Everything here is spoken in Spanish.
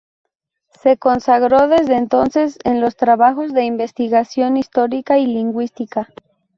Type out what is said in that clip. Se consagró desde entonces en los trabajos de investigación histórica y lingüística.